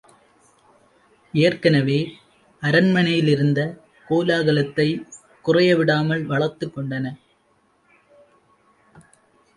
ஏற்கெனவே அரண்மனையிலிருந்த கோலாகலத்தைக் குறையவிடாமல் வளர்த்துக் கொண்டன.